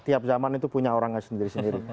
tiap zaman itu punya orang yang sendiri sendiri